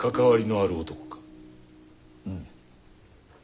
うむ。